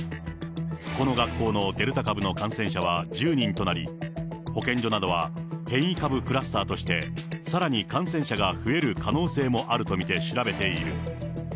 この学校のデルタ株の感染者は１０人となり、保健所などは変異株クラスターとしてさらに感染者が増える可能性もあると見て調べている。